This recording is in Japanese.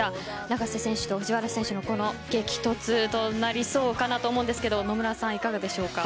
永瀬選手と藤原選手の激突どうなりそうかなと思うんですが野村さん、いかがでしょうか？